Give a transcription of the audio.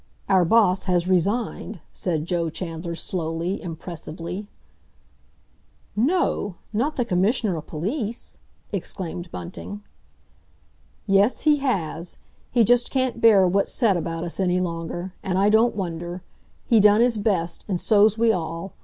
"Our Boss has resigned!" said Joe Chandler slowly, impressively. "No! Not the Commissioner o' Police?" exclaimed Bunting. "Yes, he has. He just can't bear what's said about us any longer—and I don't wonder! He done his best, and so's we all.